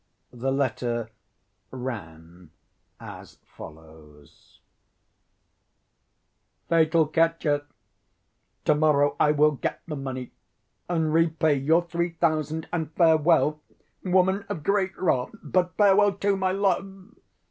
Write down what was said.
The letter ran as follows: FATAL KATYA: To‐morrow I will get the money and repay your three thousand and farewell, woman of great wrath, but farewell, too, my love!